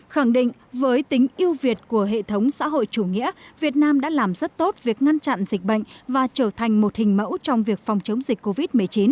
khẳng định với tính yêu việt của hệ thống xã hội chủ nghĩa việt nam đã làm rất tốt việc ngăn chặn dịch bệnh và trở thành một hình mẫu trong việc phòng chống dịch covid một mươi chín